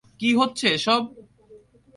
কী হচ্ছে এসব!